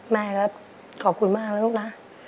แม่ครับขอบคุณมากแล้วลูกนะ